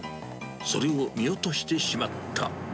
それを見落としてしまった。